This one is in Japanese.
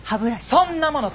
そんなもの